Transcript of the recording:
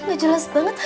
gak jelas banget